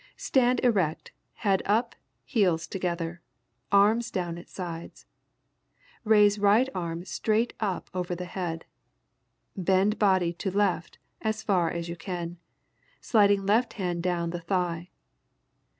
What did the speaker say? _] Stand erect, head up, heels together, arms down at sides, raise right arm straight up over the head. Bend body to left as far as you can, sliding left hand down the thigh.